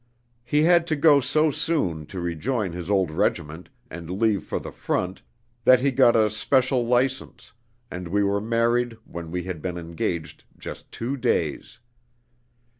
"He had to go so soon, to rejoin his old regiment, and leave for the front, that he got a special license, and we were married when we had been engaged just two days.